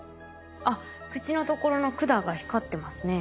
あっ口のところの管が光ってますね。